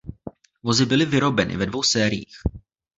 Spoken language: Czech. Vozy byly vyrobeny ve dvou sériích.